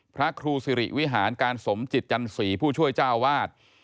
พระครูสิริวิหารการสมจิตจันสีผู้ช่วยเจ้าวาด